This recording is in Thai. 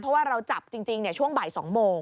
เพราะว่าเราจับจริงช่วงบ่าย๒โมง